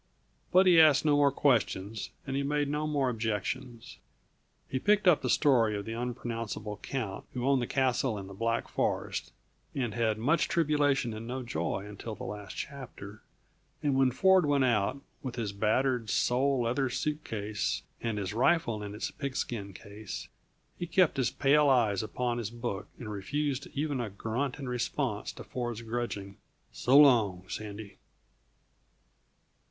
But he asked no more questions and he made no more objections. He picked up the story of the unpronounceable count who owned the castle in the Black Forest and had much tribulation and no joy until the last chapter, and when Ford went out, with his battered, sole leather suitcase and his rifle in its pigskin case, he kept his pale eyes upon his book and refused even a grunt in response to Ford's grudging: "So long, Sandy."